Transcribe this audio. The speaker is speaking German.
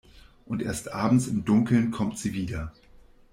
Und erst abends im Dunkeln kommt sie wieder.